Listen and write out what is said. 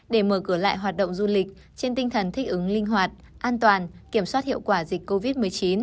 để mở cửa lại hoạt động du lịch trên tinh thần thích ứng linh hoạt an toàn kiểm soát hiệu quả dịch covid một mươi chín